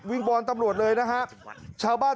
วิ่งบอลตำรวจเลยนะครับ